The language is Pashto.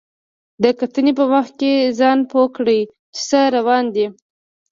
د کتنې په وخت کې ځان پوه کړئ چې څه روان دي.